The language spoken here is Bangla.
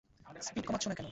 স্পিড কমাচ্ছ না কেন?